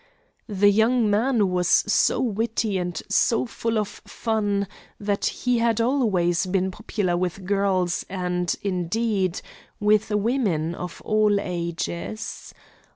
The young man was so witty and so full of fun, that he had always been popular with girls and, indeed, with women of all ages.